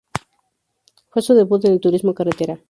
Fue su debut en el Turismo Carretera.